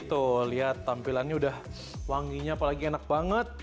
tuh lihat tampilannya udah wanginya apalagi enak banget